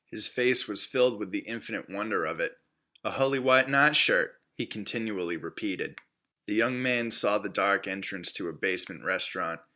His face was filled with the infinite wonder of it. "A hully white nightshirt," he continually repeated. The young man saw the dark entrance to a basement restaurant.